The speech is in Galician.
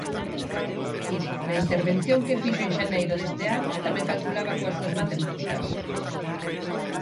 Mire, na intervención que fixo en xaneiro deste ano, tamén calculaba coas súas matemáticas.